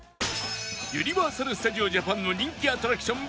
ユニバーサル・スタジオ・ジャパンの人気アトラクション